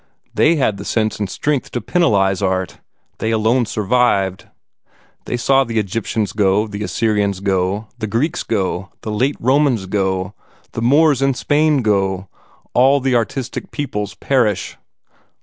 They had the sense and strength to penalize art; they alone survived. They saw the Egyptians go, the Assyrians go, the Greeks go, the late Romans go, the Moors in Spain go all the artistic peoples perish.